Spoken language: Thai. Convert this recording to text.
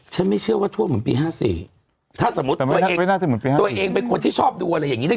ไม่เชื่อว่าท่วมเหมือนปี๕๔ถ้าสมมุติตัวเองตัวเองเป็นคนที่ชอบดูอะไรอย่างนี้ได้